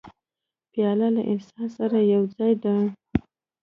پیاله له انسان سره یو ځای ده.